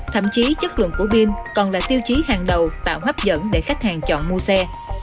thậm chí chất lượng của bin còn là tiêu chí hàng đầu tạo hấp dẫn để khách hàng chọn mua xe